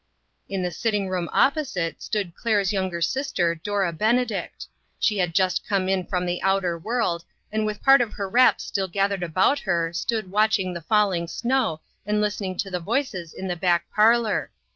In the sitting room opposite stood Claire's younger sister, Dora Benedict. She had just come in from the outer world, and with part of her wraps still gathered about her, stood watching the falling snow, and listening to the voices in the back parlor.